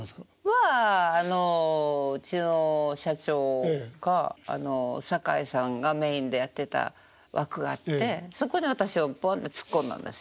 はうちの社長が堺さんがメインでやってた枠があってそこに私をボンって突っ込んだんです。